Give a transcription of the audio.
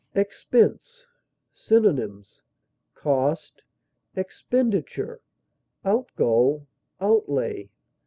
EXPENSE. Synonyms: cost, expenditure, outgo, outlay.